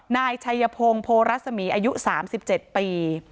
นายชัยพงศ์โพรัศมีอายุ๓๗ปี